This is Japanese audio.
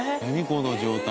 この状態。